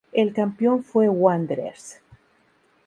El campeón fue Wanderers.